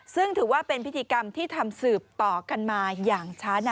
ซึ่งถือว่าเป็นพิธีกรรมที่ทำสืบต่อกันมาอย่างช้านะ